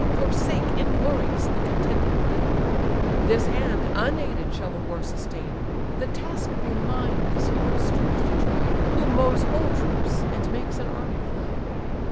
Forsake, inglorious, the contended plain; This hand unaided shall the war sustain: The task be mine this hero's strength to try, Who mows whole troops, and makes an army fly."